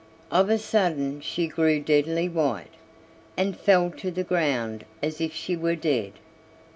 Of a sudden she grew deadly white, and fell to the ground as if she were dead.